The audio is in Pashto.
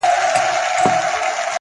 o په سپينه زنه كي خال ووهي ويده سمه زه ـ